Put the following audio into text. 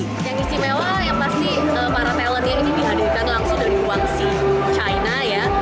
yang istimewa yang pasti para talentnya ini dihadirkan langsung dari guangsi china ya